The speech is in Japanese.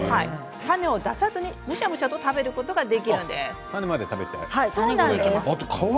種を出さずにむしゃむしゃと食べることができるんです。